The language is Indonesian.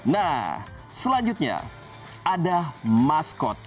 nah selanjutnya ada maskot